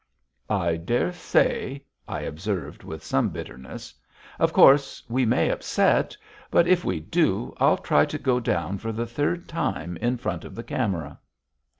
"I dare say," I observed, with some bitterness. "Of course we may upset. But if we do, I'll try to go down for the third time in front of the camera."